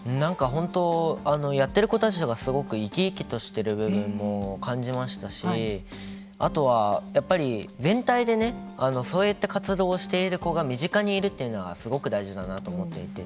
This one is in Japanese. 本当、やっている子たちがすごく生き生きとしている部分も感じましたしあとはやっぱり全体でそういった活動をしている子が身近にいるというのがすごく大事だなと思ってて。